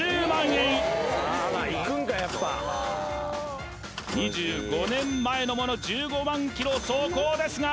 円２５年前のもの１５万キロ走行ですが？